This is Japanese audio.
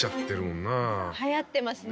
流行ってますね